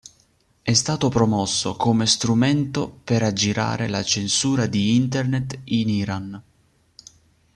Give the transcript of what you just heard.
È stato promosso come strumento per aggirare la Censura di Internet in Iran.